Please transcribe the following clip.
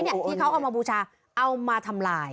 ที่เขาเอามาบูชาเอามาทำลาย